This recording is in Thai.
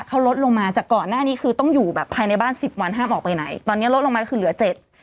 เขาลดลงมาจากก่อนหน้านี้คือต้องอยู่แบบภายในบ้านสิบวันห้ามออกไปไหนตอนเนี้ยลดลงมาก็คือเหลือเจ็ด